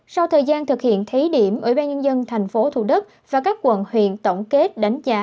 sau thời gian thực hiện thí điểm ủy ban nhân dân tp thủ đức và các quận huyện tổng kết đánh giá